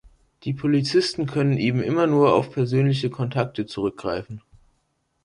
Die Polizisten können eben immer nur auf persönliche Kontakte zurückgreifen.